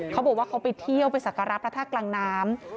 เขาบอกว่าเขาไปเที่ยวไปสักการะพระธาตุกลางน้ำ